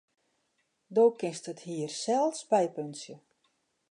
Do kinst it hier sels bypuntsje.